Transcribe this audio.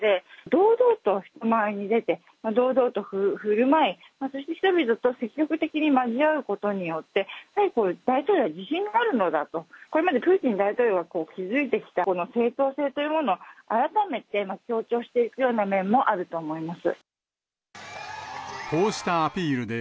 堂々と人前に出て、堂々とふるまい、そして人々と積極的に交わることによって、やはり大統領は自信があるのだと、これまでプーチン大統領が築いてきたこの正当性というものを改めて強調していくような面もあると思います。